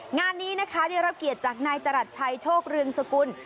งานนี้นะคะได้รับเกียรติจากนายจรัสชัยโชคเรืองสกุล